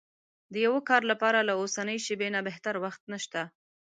د يوه کار لپاره له اوسنۍ شېبې نه بهتر وخت نشته.